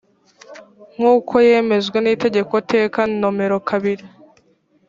nk uko yemejwe n itegeko teka nomero kabiri